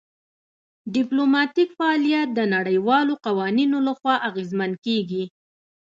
ډیپلوماتیک فعالیت د نړیوالو قوانینو لخوا اغیزمن کیږي